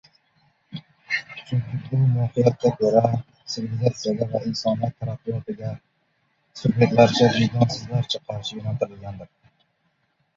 Chunki bu, mohiyatiga ko‘ra, tsivilizatsiyaga va insoniyat taraqqiyotiga surbetlarcha, vijdonsizlarcha qarshi yo‘naltirilgandir.